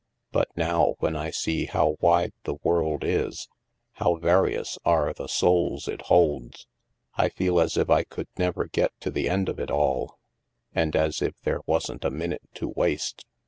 But now, when I see how wide the world is, how various are the souls it holds, I feel as if I could never get to the end of it all, and as if there wasn't a minute to waste.